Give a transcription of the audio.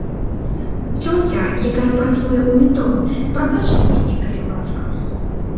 Цёця, якая працуе ў метро, прабачце мяне, калі ласка.